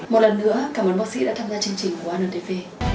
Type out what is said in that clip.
một lần nữa cảm ơn bác sĩ đã tham gia chương trình của antv